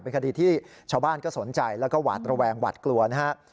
เป็นคดีที่ชาวบ้านก็สนใจแล้วก็หวาดระแวงหวาดกลัวนะครับ